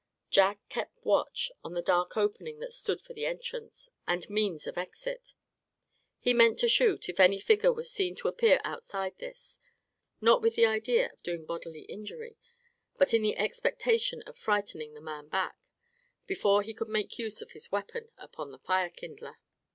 Jack kept watch on the dark opening that stood for the entrance, and means of exit. He meant to shoot, if any figure was seen to appear outside this; not with the idea of doing bodily injury, but in the expectation of frightening the man back, before he could make use of his weapon upon the fire kindler.